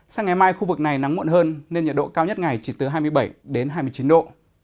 sáng ngày mai khu vực này nắng muộn hơn nên nhiệt độ cao nhất ngày chỉ từ hai mươi bảy đến hai mươi chín độ